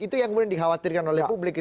itu yang kemudian dikhawatirkan oleh publik